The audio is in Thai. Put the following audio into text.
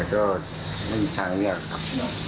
แต่ก็ไม่มีทางเลี่ยงครับ